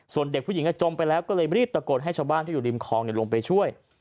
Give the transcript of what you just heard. ส่วนเด็กผู้หญิงก็จมไปแล้วก็เลยรีบตะโกนให้ชาวบ้านที่อยู่ริมคลองลงไปช่วย